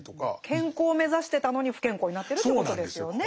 健康を目指してたのに不健康になってるっていうことですよね。